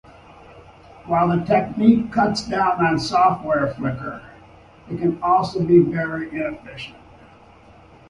While this technique cuts down on software flicker, it can also be very inefficient.